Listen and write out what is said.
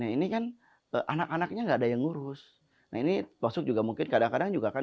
ini kan anak anaknya enggak ada yang ngurus nah ini masuk juga mungkin kadang kadang juga kan